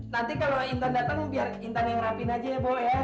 nanti kalau intan datang biar intan yang rapin aja ya bu ya